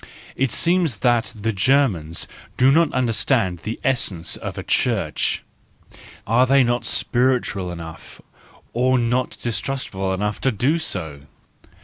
It seems that the Germans do not understand the essence of a Church. Are they not spiritual enough, or not distrustful enough to do so?